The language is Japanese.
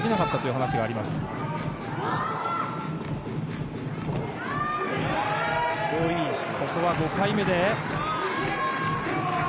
ここは５回目で。